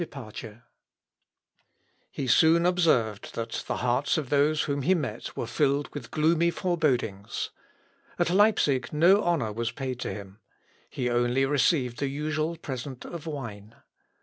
] He soon observed that the hearts of those whom he met were filled with gloomy forebodings. At Leipsic no honour was paid to him. He only received the usual present of wine.